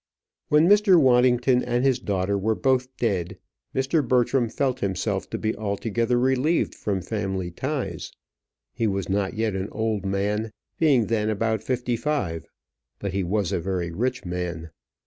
When Mr. Waddington and his daughter were both dead, Mr. Bertram felt himself to be altogether relieved from family ties. He was not yet an old man, being then about fifty five; but he was a very rich man.